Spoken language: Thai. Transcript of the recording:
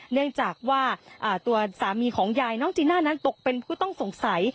เนื่องจากว่าตัวสามีของยายน้องจีน่านั้นตกเป็นผู้ต้องสงสัย